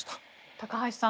高橋さん